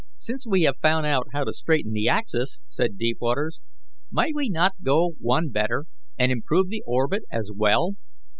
"Since we have found out how to straighten the axis," said Deepwaters, "might we not go one better, and improve the orbit as well?